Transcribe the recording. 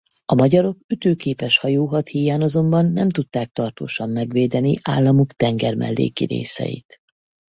A magyarok ütőképes hajóhad híján azonban nem tudták tartósan megvédeni államuk tengermelléki részeit.